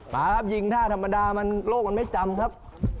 มาครับยิงท่าธรรมดามันโลกมันไม่จำครับ